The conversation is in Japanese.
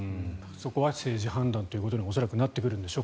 そこは政治判断ということに恐らくなってくるんでしょう。